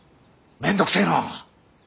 面倒くせえな。